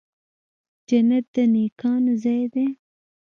جنت د نیکانو ځای دی